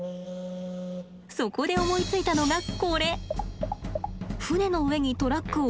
そこで思いついたのがこれ。